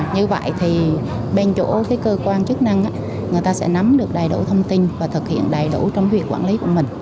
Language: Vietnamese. như vậy thì bên chỗ cơ quan chức năng người ta sẽ nắm được đầy đủ thông tin và thực hiện đầy đủ trong việc quản lý của mình